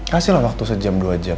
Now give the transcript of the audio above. kasih lah waktu sejam dua jam